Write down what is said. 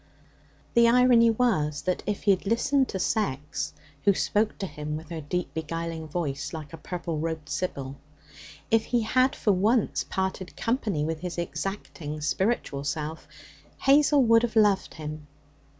The irony was that if he had listened to sex who spoke to him with her deep beguiling voice, like a purple robed Sibyl if he had for once parted company with his exacting spiritual self, Hazel would have loved him.